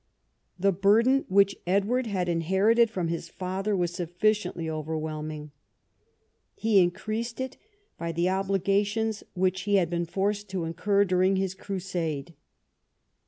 The burden which Edward had inherited from his father was sufficiently overwhelming. He increased it by the obligations which he had been forced to incur during his Crusade.